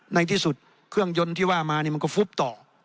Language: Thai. ในที่สุดเครื่องยนต์ที่ว่ามามันก็ฟุบต่อ